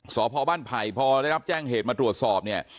สพบ้านไผ่พอได้รับแจ้งเหตุมาตรวจสอบเนี่ย